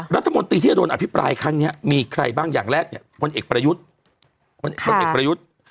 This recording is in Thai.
รัฐมนตรีที่จะโดนอภิปรายครั้งนี้มีใครบ้างอย่างแรกเนี่ยพลเอกประยุทธ์พลเอกประยุทธ์